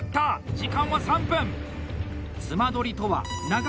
時間は３分！